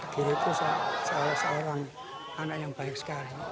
diriku seorang anak yang baik sekali